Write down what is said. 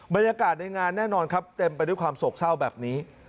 บรรยากาศในงานแน่นอนครับเต็มไปด้วยความโศกเศร้าแบบนี้